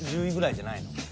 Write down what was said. １０位ぐらいじゃないの？